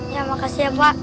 ya makasih ya pak